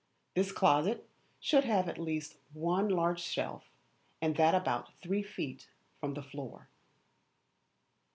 This closet should have at least one large shelf, and that about three feet from the floor.